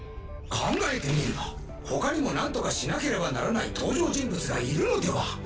考えてみれば他にもなんとかしなければならない登場人物がいるのでは？